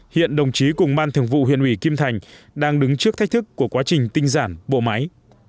hiện đồng chí cùng ban thường vụ huyện ủy kim thành đang đứng trước thách thức của quá trình tinh giản bộ máy